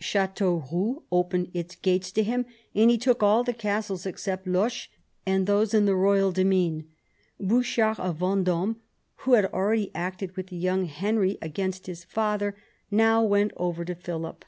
Chateauroux opened its gates to him, and he took all the castles except Loches and those in the royal demesne. Buchard of Vend6me, who had already acted with the young Henry against his father, now went over to Philip.